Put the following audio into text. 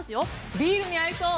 ビールに合いそう！